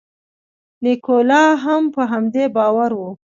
نیکولای هم په همدې باور و.